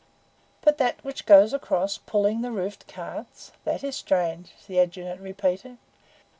"But that which goes across, pulling the roofed carts! That is strange," the Adjutant repeated.